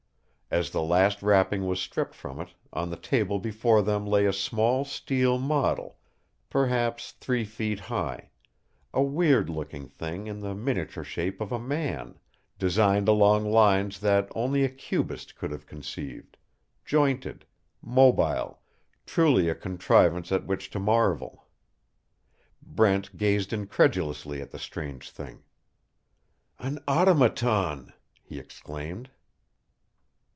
As the last wrapping was stripped from it, on the table before them lay a small steel model, perhaps three feet high a weird looking thing in the miniature shape of a man, designed along lines that only a cubist could have conceived jointed, mobile, truly a contrivance at which to marvel. Brent gazed incredulously at the strange thing. "An automaton!" he exclaimed.